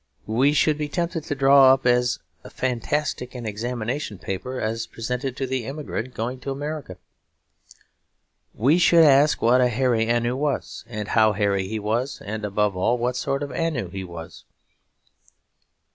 We should be tempted to draw up as fantastic an examination paper as that presented to the emigrant going to America. We should ask what a Hairy Ainu was, and how hairy he was, and above all what sort of Ainu he was.